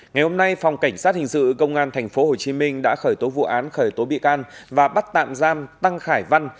ngày hôm nay phòng cảnh sát hình sự công an tp hcm đã khởi tố vụ án khởi tố bị can và bắt tạm giam tăng khải văn